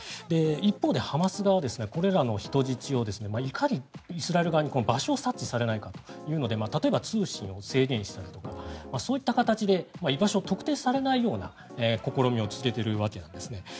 一方で、ハマス側はこれらの人質をいかにイスラエル側に場所を察知されないかということで例えば、通信を制限したりそういった形で居場所を特定されないような試みを続けているわけなんです。